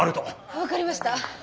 分かりました。